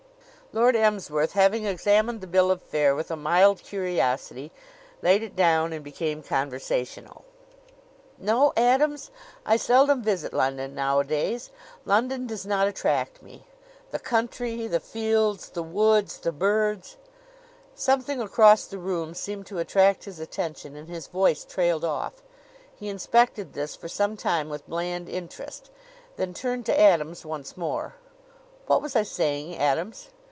Lord Emsworth, having examined the bill of fare with a mild curiosity, laid it down and became conversational. "No, Adams; I seldom visit London nowadays. London does not attract me. The country the fields the woods the birds " Something across the room seemed to attract his attention and his voice trailed off. He inspected this for some time with bland interest, then turned to Adams once more. "What was I saying, Adams?"